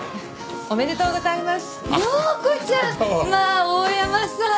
おめでとうございます。